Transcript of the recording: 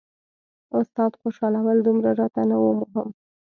استاد خوشحالول دومره راته نه وو مهم.